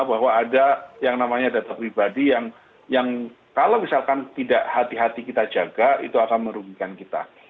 bahwa ada yang namanya data pribadi yang kalau misalkan tidak hati hati kita jaga itu akan merugikan kita